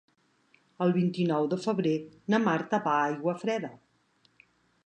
El vint-i-nou de febrer na Marta va a Aiguafreda.